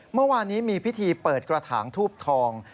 เมื่อวานนี้มีพิธีเปิดกระถางทูบทอง